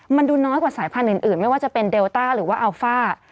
มันดูน้อยกว่าสายพันธุ์อื่นไม่ว่าจะเป็นเดลต้าหรือว่าอัลฟ่า